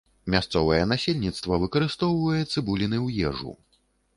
Мясцовае насельніцтва выкарыстоўвае цыбуліны ў ежу.